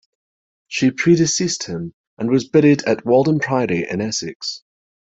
She predeceased him, and was buried at Walden Priory in Essex.